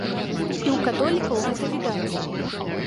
І ў католікаў гэта відаць.